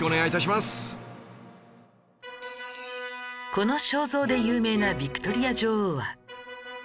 この肖像で有名なヴィクトリア女王は